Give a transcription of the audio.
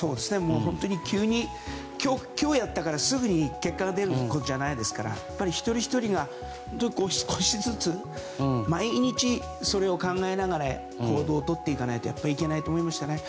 本当に急に今日やったからすぐに結果が出ることじゃないですからやっぱり一人ひとりが少しずつ毎日それを考えながら行動をとっていかないといけないと思いましたね。